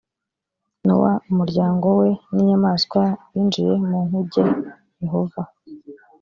nowa umuryango we n inyamaswa binjiye mu nkuge yehova